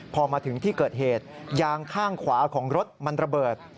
พอมาถึงที่เกิดเหตุยางข้างขวาของรถมันระเบิด